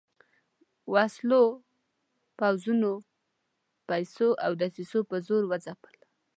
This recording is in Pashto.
وسلو، پوځونو، پیسو او دسیسو په زور وځپل.